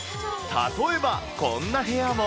例えばこんな部屋も。